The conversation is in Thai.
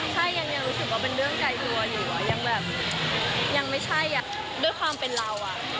ใช่ยังรู้สึกว่าเป็นเรื่องใกล้ตัวอยู่